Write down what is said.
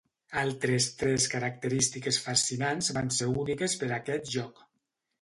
Altres tres característiques fascinants van ser úniques per a aquest joc.